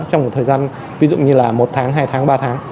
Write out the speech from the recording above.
trong một thời gian ví dụ như là một tháng hai tháng ba tháng